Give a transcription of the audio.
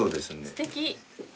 すてき。